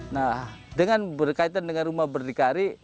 nah dengan berkaitan dengan rumah berdikari